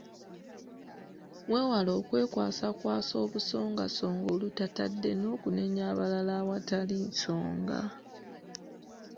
Weewale okwekwasakwasa obusongasonga olutatadde n'okunenya abalala awatali nsonga.